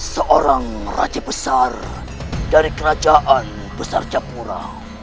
seorang raja besar dari kerajaan besar japura